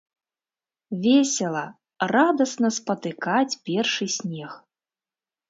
Весела, радасна спатыкаць першы снег!